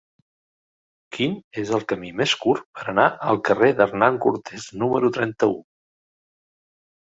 Quin és el camí més curt per anar al carrer d'Hernán Cortés número trenta-u?